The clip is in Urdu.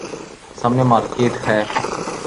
سامنے مارکیٹ ہے۔